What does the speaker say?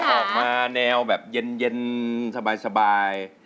ออกมาแนวแบบเย็นสบาย